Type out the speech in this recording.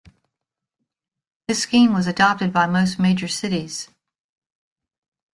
This scheme was adopted by most major cities.